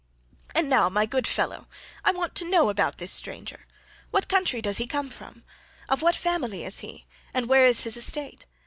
And now, my good fellow, I want to know about this stranger. What country does he come from? Of what family is he, and where is his estate?